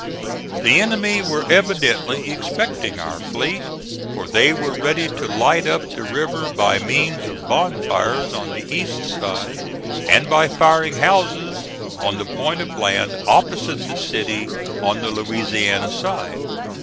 The enemy were evidently expecting our fleet, for they were ready to light up the river by means of bonfires on the east side and by firing houses on the point of land opposite the city on the Louisiana side.